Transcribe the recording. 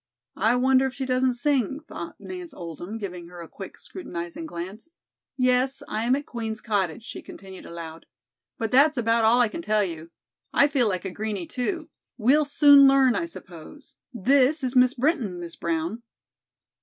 "I wonder if she doesn't sing," thought Nance Oldham, giving her a quick, scrutinizing glance. "Yes, I am at Queen's cottage," she continued aloud, "but that's about all I can tell you. I feel like a greeny, too. We'll soon learn, I suppose. This is Miss Brinton, Miss Brown."